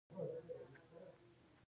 دوی دا توکي صادروي.